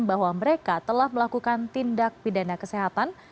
bahwa mereka telah melakukan tindak pidana kesehatan